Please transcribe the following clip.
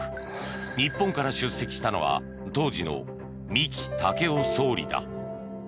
日本から出席したのは当時の三木武夫総理だ。